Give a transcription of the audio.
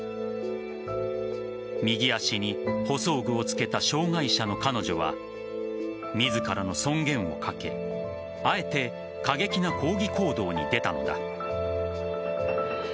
右足に補装具をつけた障害者の彼女は自らの尊厳をかけあえて過激な抗議行動に出たのだ。